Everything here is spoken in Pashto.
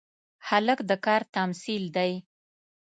هلک د کار تمثیل دی.